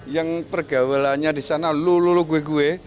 yang pergaulannya di sana lulu lulu gue gue